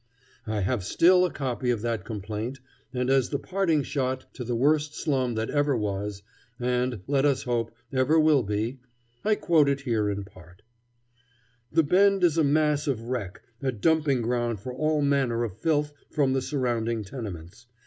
I have still a copy of that complaint, and, as the parting shot to the worst slum that ever was, and, let us hope, ever will be, I quote it here in part: "The Bend is a mass of wreck, a dumping ground for all manner of filth from the surrounding tenements.